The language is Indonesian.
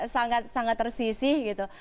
sangat sangat tersisih gitu